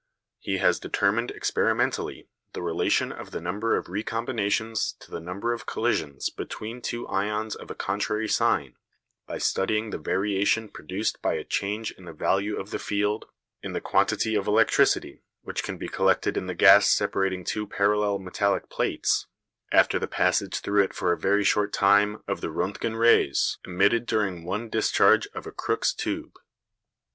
He has determined experimentally the relation of the number of recombinations to the number of collisions between two ions of contrary sign, by studying the variation produced by a change in the value of the field, in the quantity of electricity which can be collected in the gas separating two parallel metallic plates, after the passage through it for a very short time of the Röntgen rays emitted during one discharge of a Crookes tube.